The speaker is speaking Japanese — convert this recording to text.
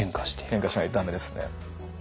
変化しないと駄目ですね。